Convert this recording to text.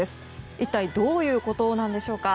一体どういうことなんでしょうか。